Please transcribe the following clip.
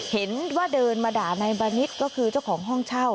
เห็นว่าเดินมาด่านายบานิดก็คือเจ้าของห้องเช่า